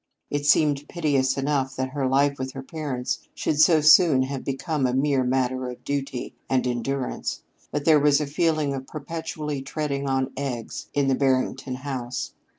It seemed piteous enough that her life with her parents should so soon have become a mere matter of duty and endurance, but there was a feeling of perpetually treading on eggs in the Barrington house.